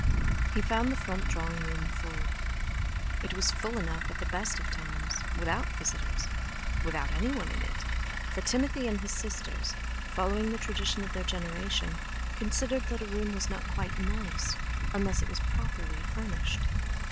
He found the front drawing room full. It was full enough at the best of times—without visitors—without any one in it—for Timothy and his sisters, following the tradition of their generation, considered that a room was not quite "nice" unless it was "properly" furnished.